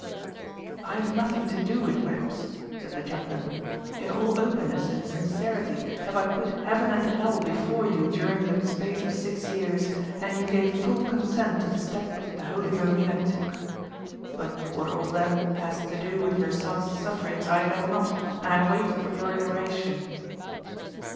"I have nothing to do with webs," said the chaplain. "In all openness and sincerity have I put heaven and hell before you during the space of six years; and you gave full consent to the step which the holy Verena took. But what all that has to do with your son's sufferings I know not, and I wait for your narration."